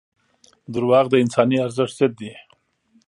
• دروغ د انساني ارزښت ضد دي.